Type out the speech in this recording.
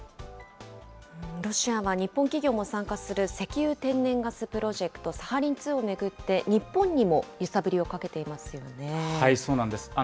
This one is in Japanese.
ロシアは日本企業も参加する石油・天然ガスプロジェクト、サハリン２を巡って、日本にも揺さぶりをかけていますよね。